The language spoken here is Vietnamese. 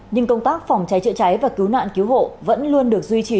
nhưng công tác phòng cháy chữa cháy và cứu nạn cứu hộ vẫn luôn được duy trì